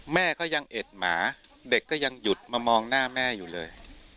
แม่ก็ยังเอ็ดหมาเด็กก็ยังหยุดมามองหน้าแม่อยู่เลย